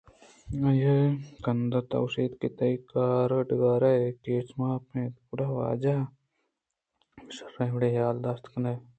آئیءَ کنداِت ءُگوٛشت کہ تئی کار ڈگارے کچءُماپ اِنت گڑا وانگجاہ ءِ باگ ءِشرّیں وڑے ءَحیالءَ داشت کنئے؟